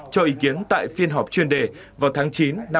cho ý kiến tại phiên họp chuyên đề vào tháng chín năm hai nghìn hai mươi